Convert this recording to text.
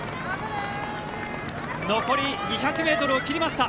残り２００ｍを切りました。